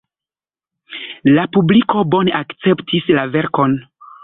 La publiko bone akceptis la verkon.